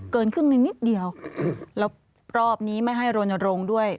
เกินครึ่งหนึ่งนิดเดียวแล้วรอบนี้ไม่ให้โรนโรงด้วย